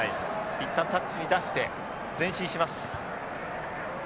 いったんタッチに出して前進します。